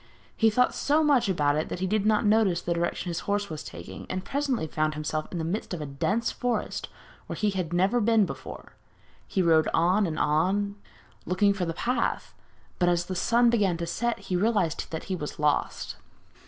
He thought so much about it that he did not notice the direction his horse was taking, and presently he found himself in the midst of a dense forest where he had never been before. He rode on and on, looking for the path, but as the sun began to set he realised that he was lost.